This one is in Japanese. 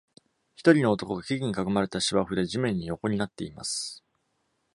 一人の男が木々に囲まれた芝生で地面に横になっています。